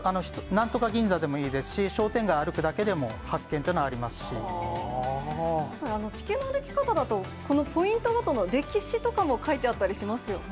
なんとか銀座でもいいですし、商店街歩くだけでも、発見っていうのはありま地球の歩き方だと、このポイントごとの歴史とかも書いてあったりしますよね。